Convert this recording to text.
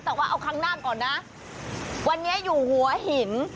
แต่ว่าเอาครั้งหน้าก่อนนะวันนี้อยู่หัวหิน